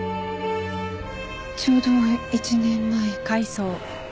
ちょうど１年前。